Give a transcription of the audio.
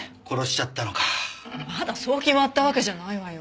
まだそう決まったわけじゃないわよ。